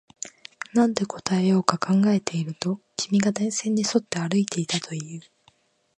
なんて答えようか考えていると、君が電線に沿って歩いていたと言う